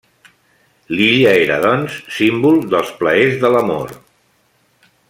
L'illa era, doncs, símbol dels plaers de l'amor.